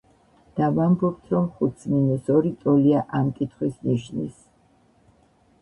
და ვამბობთ, რომ ხუთს მინუს ორი ტოლია ამ კითხვის ნიშნის.